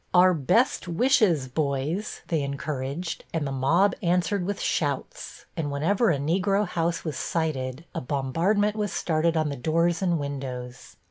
"Our best wishes, boys," they encouraged; and the mob answered with shouts, and whenever a Negro house was sighted a bombardment was started on the doors and windows.